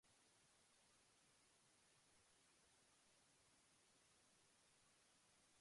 A dynamic price forecasting model for multifunctional virtual energy storage systems.